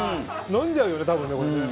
飲んじゃうよね多分ねこれね。